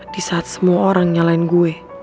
di saat semua orang nyalain gue